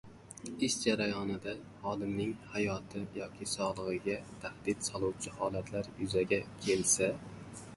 Ish jarayonida xodimning hayoti yoki sog‘ligiga tahdid soluvchi holatlar yuzaga kelsa...